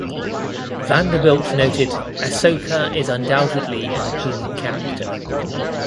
Vanderbilt noted "Ahsoka is undoubtedly an appealing character".